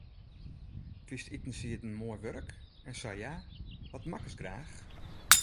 Fynst itensieden moai wurk, en sa ja, wat makkest graach?